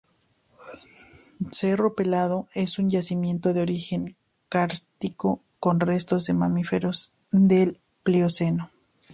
Cerro Pelado es un yacimiento de origen kárstico con restos de mamíferos del Plioceno.